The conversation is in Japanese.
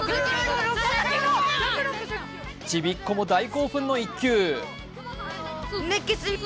ちびっこも大興奮の１球。